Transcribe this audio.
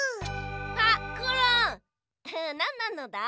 あっコロンなんなのだ？